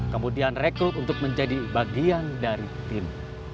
kemudian rekrut untuk menjadi bagian dari tim